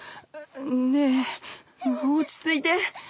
ねえ落ち着いて。